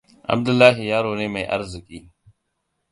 Abdullahi yaro ne mai arziƙi.